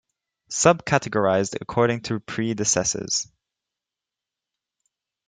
"Subcategorised according to predecessors"